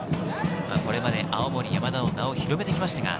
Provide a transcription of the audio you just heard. これまで青森山田の名を広めてきました。